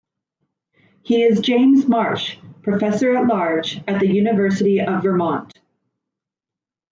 He is James Marsh Professor-at-Large at the University of Vermont.